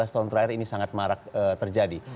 lima belas tahun terakhir ini sangat marak terjadi